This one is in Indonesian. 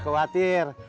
gak usah khawatir